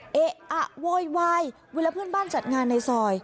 เอ๊ะอะโวยวายเวลาเพื่อนบ้านจัดงานในซอย